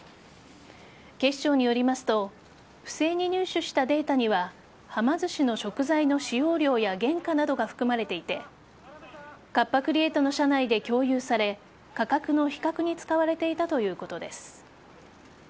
警視庁によりますと不正に入手したデータにははま寿司の食材の使用量や原価などが含まれていてカッパ・クリエイトの社内で共有され価格の比較に使われていたということです。